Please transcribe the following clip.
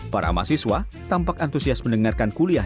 para mahasiswa tampak antusias mendengarkan kuliah